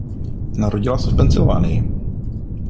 Narodila se v Pensylvánii.